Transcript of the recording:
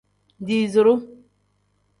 Diiziru.